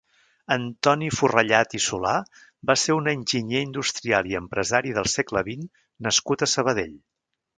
Antoni Forrellad i Solà va ser un enginyer industrial i empresari del segle vint nascut a Sabadell.